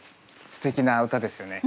すてきな歌ですよね。